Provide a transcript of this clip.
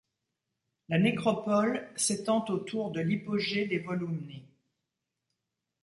La nécropole s'étend autour de l'Hypogée des Volumni.